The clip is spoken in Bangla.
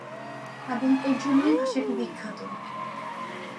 এবং এর জন্যই ভাষাটি বিখ্যাত।